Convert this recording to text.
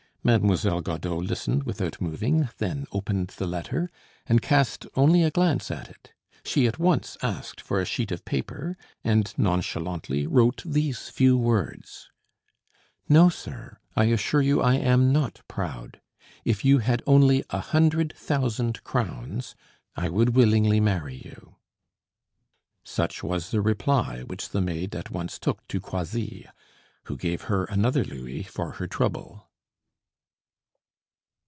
Mademoiselle Godeau listened without moving, then opened the letter, and cast only a glance at it; she at once asked for a sheet of paper, and nonchalantly wrote these few words: "No, sir, I assure you I am not proud. If you had only a hundred thousand crowns, I would willingly marry you." Such was the reply which the maid at once took to Croisilles, who gave her another louis for her trouble.